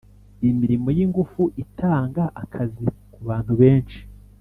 imirimo y' ingufu itanga akazi ku bantu benshi.